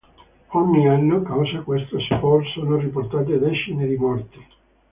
Ogni anno, causa questo "sport", sono riportate decine di morti.